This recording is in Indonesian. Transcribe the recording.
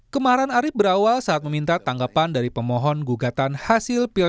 kemarahan arief berawal saat meminta tanggapan dari pemohon gugatan hasil pilpres